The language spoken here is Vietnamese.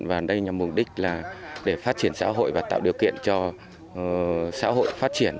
và đây nhằm mục đích là để phát triển xã hội và tạo điều kiện cho xã hội phát triển